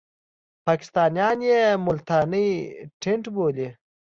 پاکستانیان یې ملتانی ټېنټ بولي.